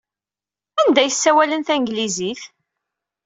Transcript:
Anda ay ssawalen tanglizit?